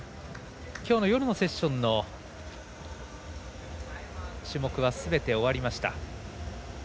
きょうの夜のセッションの種目はすべて終わりました。